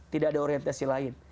tidak ada orientasi lain